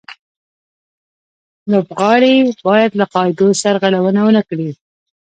لوبغاړي باید له قاعدو سرغړونه و نه کړي.